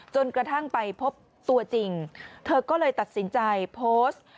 จนกระทั่งไปพบตัวจริงเธอก็เลยตัดสินใจโพสต์